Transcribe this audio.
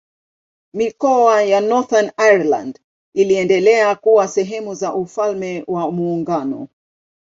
Mikoa ya Northern Ireland iliendelea kuwa sehemu za Ufalme wa Muungano.